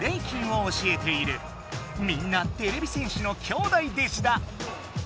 みんなてれび戦士のきょうだい弟子だ。